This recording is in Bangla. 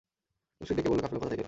লোকটি ডেকে বলল, কাফেলা কোথা থেকে এল।